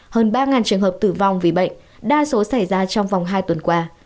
hơn ba trường hợp tử vong vì bệnh đa số xảy ra trong vòng hai tuần qua